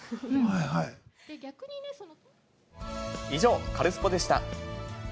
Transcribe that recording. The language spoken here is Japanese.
以上、カルスポっ！でした。